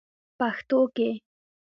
پښتو کې: